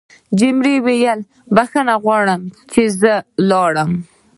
جميلې وويل: بخښنه غواړم چې زه لاړم.